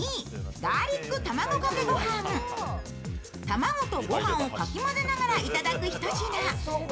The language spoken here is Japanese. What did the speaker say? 卵とご飯をかき混ぜながらいただくひと品。